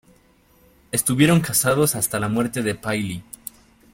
Estuvieron casados hasta la muerte de Pyle.